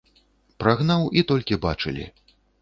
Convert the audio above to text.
Прагнаў, і толькі бачылі.